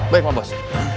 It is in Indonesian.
baik pak bos